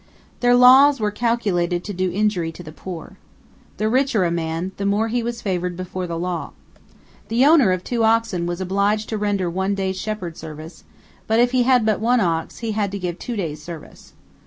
Their laws were calculated to do injury to the poor. The richer a man, the more was he favored before the law. The owner of two oxen was obliged to render one day's shepherd service, but if he had but one ox, he had to give two days' service.